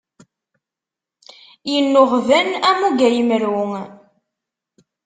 Innuɣben am ugayemru.